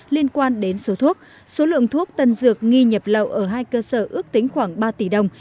liên quan đến số thuốc số lượng thuốc tân dược nghi nhập lậu ở hai cơ sở ước tính khoảng ba tỷ đồng